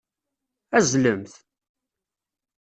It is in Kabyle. Azzlemt!